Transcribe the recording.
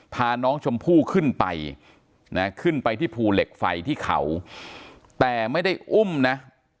พาน้องชมพู่ขึ้นไปนะขึ้นไปที่ภูเหล็กไฟที่เขาแต่ไม่ได้อุ้มนะ